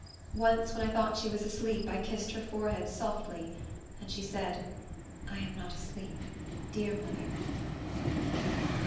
Once, when I thought she was asleep, I kissed her forehead softly, and she said, "I am not asleep, dear mother."